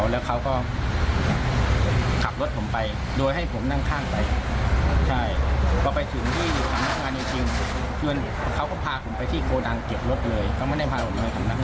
แล้วการผ่อหนักทางอะไรเนี่ยมันมันก็มีการผิดเนัตร์จริง